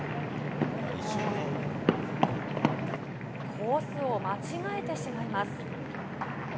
コースを間違えてしまいます。